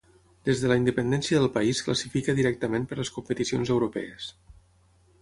Des de la independència del país classifica directament per les competicions europees.